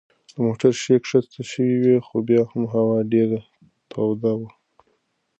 د موټر ښيښې کښته شوې وې خو بیا هم هوا ډېره توده وه.